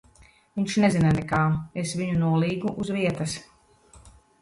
Viņš nezina nekā. Es viņu nolīgu uz vietas.